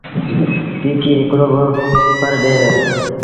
ڪي ڪي هڪڙو ڦر ڏيݩ ديٚݩ۔